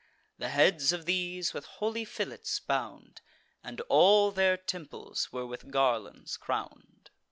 The heads of these with holy fillets bound, And all their temples were with garlands crown'd.